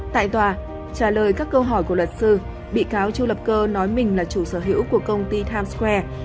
tại tòa trả lời các câu hỏi của luật sư bị cáo chu lập cơ nói mình là chủ sở hữu của công ty times square